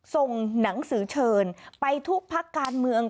ส่งหนังสือเชิญไปทุกพักการเมือง